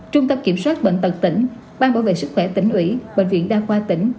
trung tâm kiểm soát bệnh tật tỉnh ban bảo vệ sức khỏe tỉnh ủy bệnh viện đa khoa tỉnh